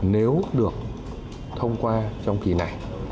nếu được thông qua trong kỳ này